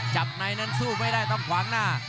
ในนั้นสู้ไม่ได้ต้องขวางหน้า